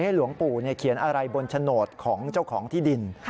หลวงปู่เขียนอะไรบนโฉนดของเจ้าของที่ดิน